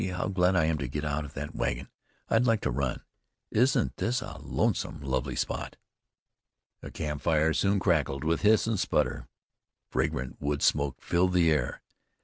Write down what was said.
How glad I am to get out of that wagon! I'd like to run. Isn't this a lonesome, lovely spot?" A camp fire soon crackled with hiss and sputter, and fragrant wood smoke filled the air.